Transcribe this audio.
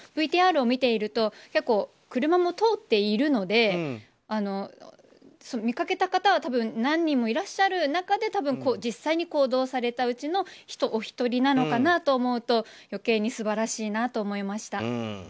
ＶＴＲを見ていると結構、車も通っているので見かけた方は多分何人もいらっしゃった中で多分、実際に行動されたうちのお一人なのかなと思うと余計に素晴らしいなと思いました。